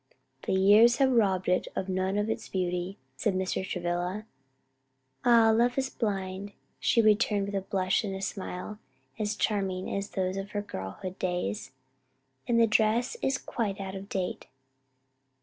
"The years have robbed it of none of its beauty," said Mr. Travilla. "Ah, love is blind," she returned with a blush and smile as charming as those of her girlhood's days. "And the dress is quite out of date."